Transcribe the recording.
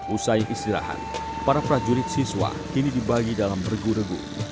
usai istirahat para prajurit siswa kini dibagi dalam regu regu